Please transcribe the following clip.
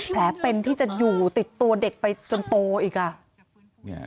แผลเป็นที่จะอยู่ติดตัวเด็กไปจนโตอีกอ่ะ